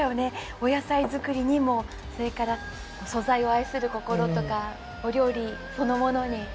お野菜作りにもそれから素材を愛する心とかお料理そのものに。